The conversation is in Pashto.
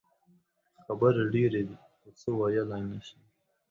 خبرې ډېرې دي خو څه ویلې نه شم.